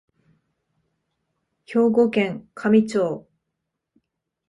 兵庫県香美町